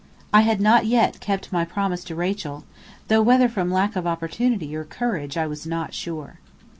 I had not yet kept my promise to Rachel, though whether from lack of opportunity or courage I was not sure.